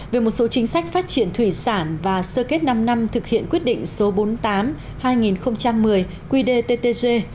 về một số chính sách phát triển thủy sản và sơ kết năm năm thực hiện quyết định số bốn mươi tám hai nghìn một mươi qdttg